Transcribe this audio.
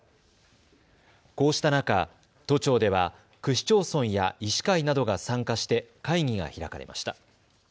こうした中、都庁では区市町村や医師会などが参加して会議が開かれました。